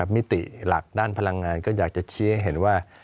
มิติหลักด้านพลังงานก็อยากจะชี้ให้เห็นว่า